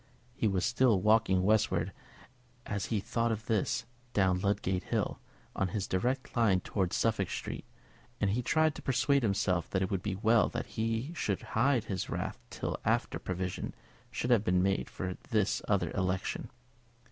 He was still walking westward as he thought of this, down Ludgate Hill, on his direct line towards Suffolk Street; and he tried to persuade himself that it would be well that he should hide his wrath till after provision should have been made for this other election.